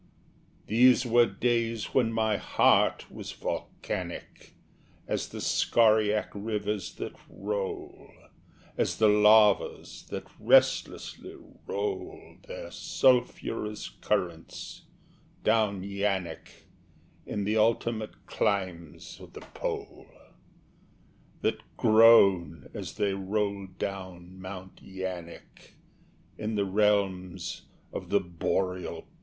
These were days when my heart was volcanic As the scoriac rivers that roll As the lavas that restlessly roll Their sulphurous currents down Yaanek In the ultimate climes of the pole That groan as they roll down Mount Yaanek In the realms of the boreal pole.